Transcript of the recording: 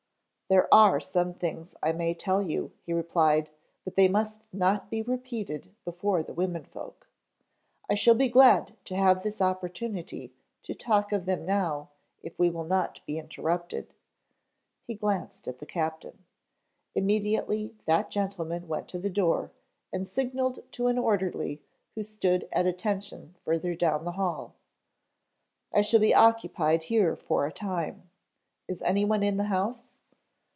"There are some things I may tell you," he replied, "but they must not be repeated before the womenfolk. I shall be glad to have this opportunity to talk of them now if we will not be interrupted." He glanced at the captain. Immediately that gentleman went to the door, and signaled to an orderly who stood at attention further down the hall. "I shall be occupied here for a time. Is anyone in the house?"